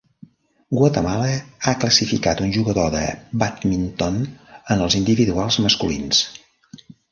Guatemala ha classificat un jugador de bàdminton en els individuals masculins.